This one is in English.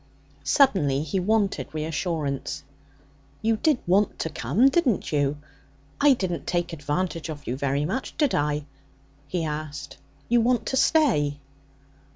Suddenly he wanted reassurance. 'You did want to come, didn't you? I didn't take advantage of you very much, did I?' he asked. 'You want to stay?'